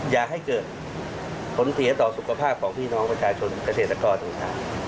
อย่าให้เกิดผลเสียต่อสุขภาพของพี่น้องประชาชนเกษตรกรต่าง